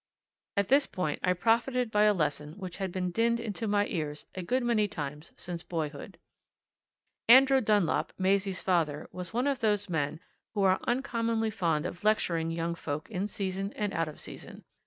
At this point I profited by a lesson which had been dinned into my ears a good many times since boyhood. Andrew Dunlop, Maisie's father, was one of those men who are uncommonly fond of lecturing young folk in season and out of season.